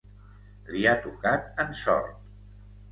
Li ha tocat en sort.